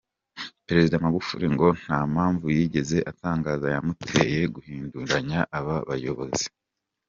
Perezida Magufuli ngo nta mpamvu yigeze atangaza yamuteye guhinduranya aba bayobozi.